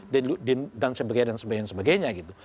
dan sebagainya dan sebagainya gitu